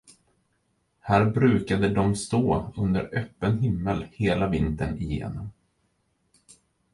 Här brukade de stå under öppen himmel hela vintern igenom.